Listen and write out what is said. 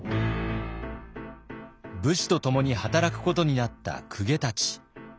武士とともに働くことになった公家たち。